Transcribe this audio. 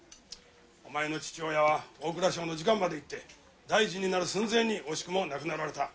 お前の父親は大蔵省の次官までいって大臣になる寸前に惜しくも亡くなられた。